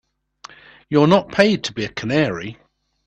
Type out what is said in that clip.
You're not paid to be a canary.